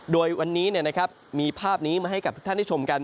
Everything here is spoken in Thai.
โดยวันนี้มีภาพนี้มาให้กับทุกท่านได้ชมกัน